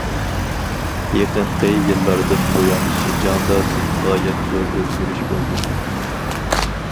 يېقىنقى يىللاردىن بۇيان، شىنجاڭدا غايەت زور ئۆزگىرىش بولدى.